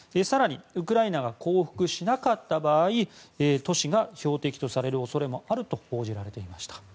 更にウクライナが降伏しなかった場合都市が標的とされる恐れもあると報じられていました。